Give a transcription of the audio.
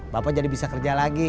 bapak jadi bisa kerja lagi